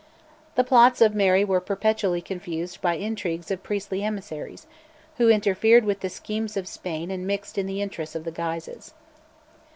The plots of Mary were perpetually confused by intrigues of priestly emissaries, who interfered with the schemes of Spain and mixed in the interests of the Guises.